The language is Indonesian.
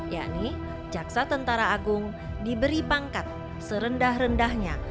yakni jaksa tentara agung diberi pangkat serendah rendahnya